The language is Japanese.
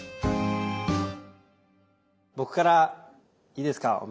僕からいいですか。